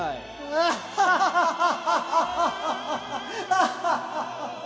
アハハハハ！